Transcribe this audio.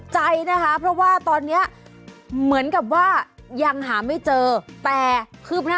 จรคที่มันหลุดลงเป็นน้ำปิงนะคะ